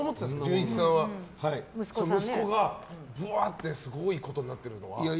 純一さんは息子がぶわーってすごいことになってるのは。